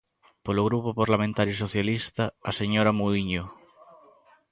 Polo Grupo Parlamentario Socialista, a señora Muíño.